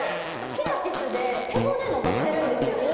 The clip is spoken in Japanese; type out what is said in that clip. ピラティスで背骨伸ばしてるんですよ。